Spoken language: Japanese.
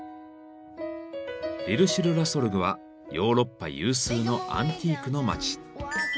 リル・シュル・ラ・ソルグはヨーロッパ有数のアンティークの街。